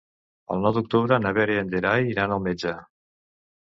El nou d'octubre na Vera i en Gerai iran al metge.